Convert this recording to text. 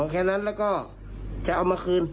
แค่นั้นแล้วก็จะเอามาคืน